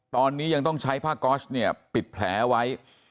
ตอนนี้ยังต้องใช้ผ้าก๊อชเนี่ยปิดแผลไว้